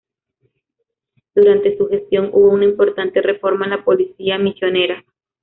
Durante su gestión hubo una importante reforma en la policía misionera.